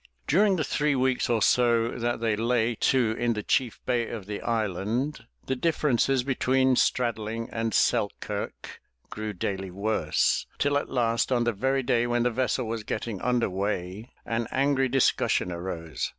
During the three weeks or so that they lay to in the chief bay of the island, the differences between Straddling and Selkirk grew daily worse, till at last on the very day when the vessel was getting under way, an angry dis cussion arose.